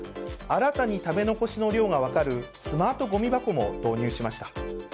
新たに食べ残しの量が分かるスマートごみ箱も導入しました。